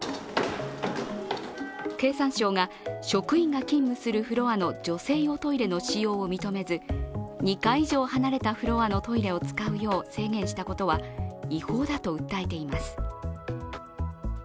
経産省が、職員が勤務するフロアの女性用トイレの使用を認めず、２階以上離れたフロアのトイレを使うよう制限したことは、違法だと訴えています。